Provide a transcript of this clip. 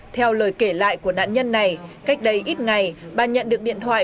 theo lời kể lại của nạn nhân này cách đây ít ngày bà nhận được điện thoại